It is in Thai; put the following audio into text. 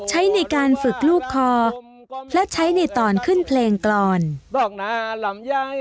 ใช้ในการฝึกลูกคอและใช้ในตอนขึ้นเพลงกรรม